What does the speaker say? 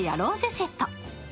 セット。